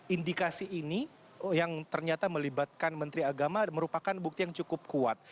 indikasi ini yang ternyata melibatkan menteri agama merupakan bukti yang cukup kuat